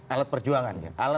alat perjuangan ya